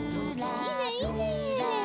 いいねいいね！